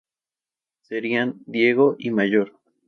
Serían Diego y Mayor.